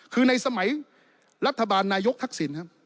คือในสมัยรัฐบาลนายกทักษิณครับ